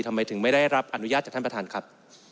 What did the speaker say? ทำไมถึงไม่ได้รับอนุญาตจากท่านประธานครับ